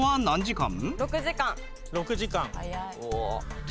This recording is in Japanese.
６時間。